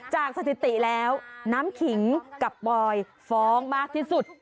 สถิติแล้วน้ำขิงกับบอยฟ้องมากที่สุด